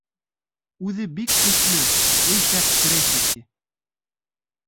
Үҙе бик көслө, эй шәп крейсер, ти.